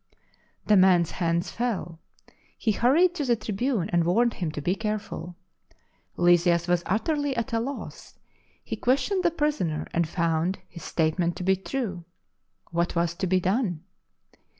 The man's hands fell; he hurried to the tribune, and warned him to be careful. Lysias was utterly at a loss; he questioned the RETURN TO JERUSALEM prisoner, and found his statement to be true. What was to be done